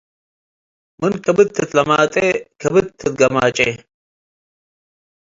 ምን ከብድ ትትለማጤ፡ ከብድ ትትገማጩ።